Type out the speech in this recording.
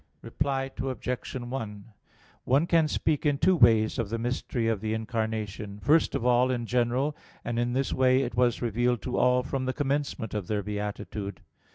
Reply Obj. 1: One can speak in two ways of the mystery of the Incarnation. First of all, in general; and in this way it was revealed to all from the commencement of their beatitude.